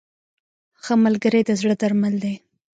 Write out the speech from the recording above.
• ښه ملګری د زړه درمل دی.